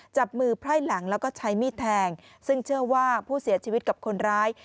จับมือไพร่หลังแล้วก็ใช้มีดแทงซึ่งเชื่อว่าผู้เสียชีวิตกับคนร้าย